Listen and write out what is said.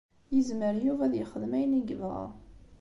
Yezmer Yuba ad yexdem ayen i yebɣa.